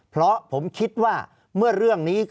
ภารกิจสรรค์ภารกิจสรรค์